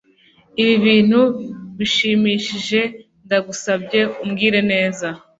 Ibi bintu bishimishije Ndagusabye umbwire neza